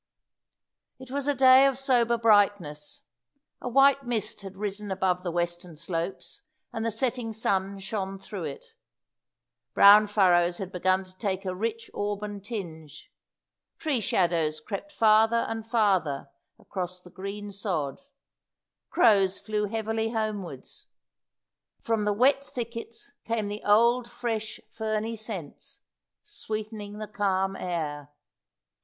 It was a day of sober brightness. A white mist had risen above the western slopes, and the setting sun shone through it. Brown furrows had begun to take a rich auburn tinge; tree shadows crept farther and farther across the green sod; crows flew heavily homewards. From the wet thickets came the old fresh ferny scents, sweetening the calm air.